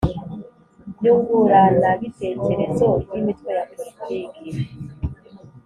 Nyunguranabitekerezo ry imitwe ya politiki